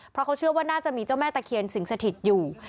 เพราะเขาเชื่อว่าน่าจะมีเจ้าแม่ตะเคียนสิ่งสถิตอยู่